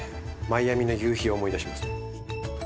マイアミの夕日を思い出しますね。